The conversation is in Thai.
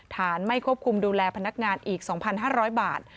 ไม่ควบคุมดูแลพนักงานอีก๒๕๐๐บาท